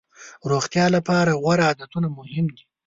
روغتیا لپاره غوره عادتونه مهم دي.